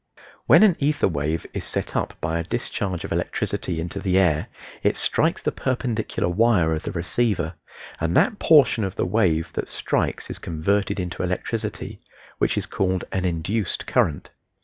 When an ether wave is set up by a discharge of electricity into the air it strikes the perpendicular wire of the receiver, and that portion of the wave that strikes is converted into electricity, which is called an induced current.